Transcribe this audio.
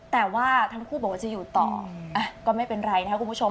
แต่ว่าทั้งคู่บอกว่าจะอยู่ต่อก็ไม่เป็นไรนะครับคุณผู้ชม